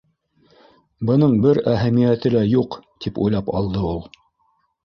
«Бының бер әһәмиәте лә юҡ», —тип уйлап алды ул.